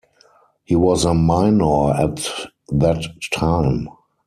He was a minor at that time.